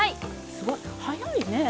すごいはやいね！